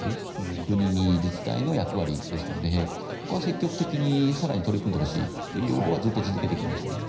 国、自治体の役割ですのでここは積極的に更に取り組んでほしいという要望はずっと続けてきましたね。